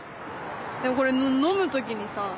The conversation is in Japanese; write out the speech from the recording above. でもこれ飲む時にさ。